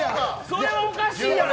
それはおかしいやろ！